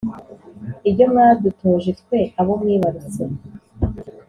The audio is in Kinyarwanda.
ibyo mwadutoje twe abo mwibarutse